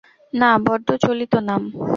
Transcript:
না, বড্ড চলিত নাম।